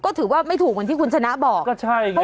ก็ถือว่าไม่ถูกเหมือนที่คุณชนะบอกก็ใช่ไง